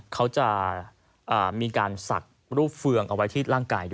เขาจะมีการศักดิ์รูปเฟืองเอาไว้ที่ร่างกายด้วย